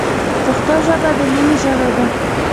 پښتو ژبه د مینې ژبه ده.